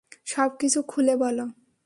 সবকিছু খুলে বলো।